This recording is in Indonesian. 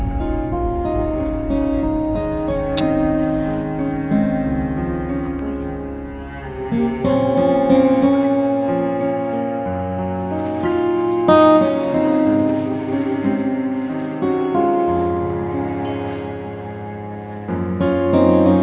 aku mau ke sana